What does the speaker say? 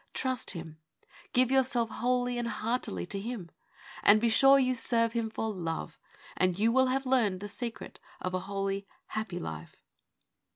Trust Him. Give yourself wholly and heartily to Him, and be sure you serve Him for love, and you will have learned the secret of a holy, happy life.